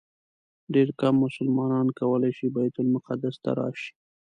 ډېر کم مسلمانان کولی شي بیت المقدس ته راشي.